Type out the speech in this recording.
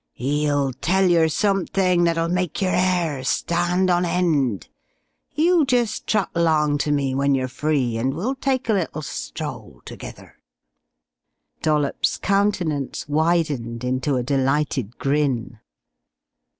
'E'll tell yer somethink that'll make your 'air stand on end. You jist trot along ter me when you're free, and we'll take a little stroll together." Dollops' countenance widened into a delighted grin.